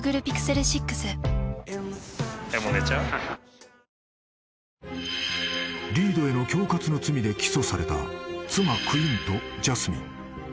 ＪＴ［リードへの恐喝の罪で起訴された妻クインとジャスミン］